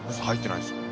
入ってないです。